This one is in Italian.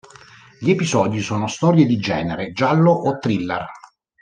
Gli episodi sono storie di genere giallo o thriller.